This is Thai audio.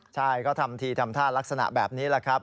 ใช่ก็ทำทีทำท่ารักษณะแบบนี้แหละครับ